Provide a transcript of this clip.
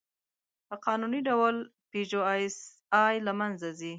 په قانوني ډول «پيژو ایسآی» له منځه ځي.